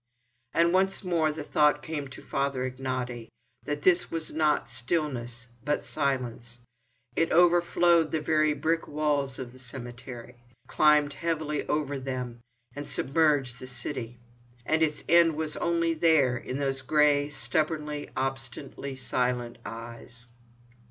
And once more the thought came to Father Ignaty, that this was not stillness, but silence. It overflowed to the very brick walls of the cemetery, climbed heavily over them, and submerged the city. And its end was only there—in those grey, stubbornly, obstinately silent eyes.